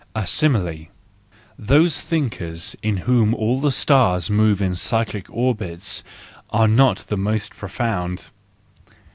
A Simile .—Those thinkers in whom all the stars move in cyclic orbits, are not the most profound.